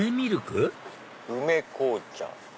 「梅紅茶」。